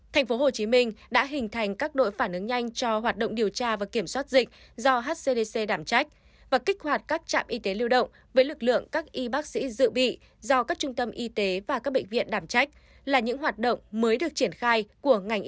tp hcm đã hình thành các đội phản ứng nhanh cho hoạt động điều tra và kiểm soát dịch do hcdc đảm trách và kích hoạt các trạm y tế lưu động với lực lượng các y bác sĩ dự bị do các trung tâm y tế và các bệnh viện đảm trách là những hoạt động mới được triển khai của ngành y tế